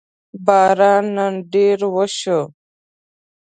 باران نن ډېر وشو